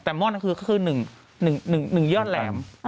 แต่ม่อนนั้นคือหนึ่งยอดแหลม